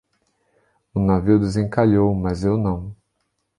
O navio desencalhou, mas eu não